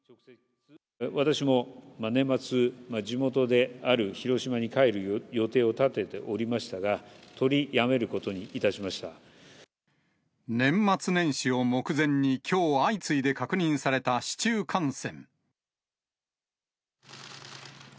私も年末、地元である広島に帰る予定を立てておりましたが、取りやめること年末年始を目前に、きょう相次いで確認された市中感染。